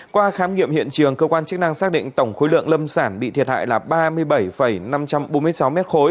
qua khám nghiệm hiện trường cơ quan chức năng xác định tổng khối lượng lâm sản bị thiệt hại là ba mươi bảy năm trăm bốn mươi sáu m ba